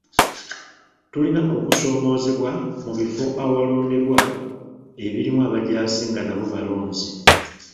Tulina okusoomoozebwa mu bifo awalonderwa ebirimu abajaasi nga nabo balonzi.